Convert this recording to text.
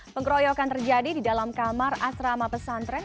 pengeroyokan terjadi di dalam kamar asrama pesantren